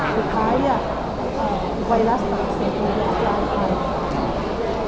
สุดท้ายเนี่ยไวรัสตัวประสิทธิ์ก็จะอาจจะออกไป